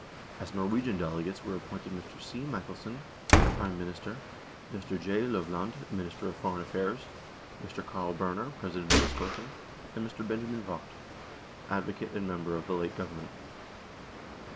As Norwegian delegates were ap pointed Mr. C. Michelsen, Prime Minister, Mr. J. Lovland, Minister of Foreign Affairs, Mr. Carl Berner, President of the Storthing, and Mr. Benjamin Vogt, Advocate and member of the late Govern ment.